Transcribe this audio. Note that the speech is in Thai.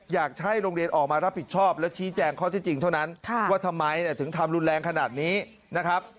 อยากให้โรงเรียนออกมารับผิดชอบและชี้แจงข้อที่จริงเท่านั้นว่าทำไมถึงทำรุนแรงขนาดนี้นะครับ